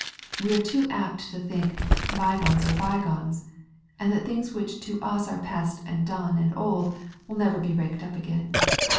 We are too apt to think that r bygones are bygones,'* and that things which to us are past, and done, and old, will never be raked up again.